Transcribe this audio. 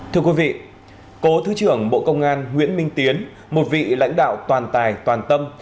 thưa quý vị cố thứ trưởng bộ công an nguyễn minh tiến một vị lãnh đạo toàn tài toàn tâm